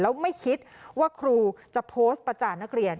แล้วไม่คิดว่าครูจะโพสต์ประจานนักเรียน